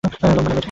লম্বা না বেঁটে?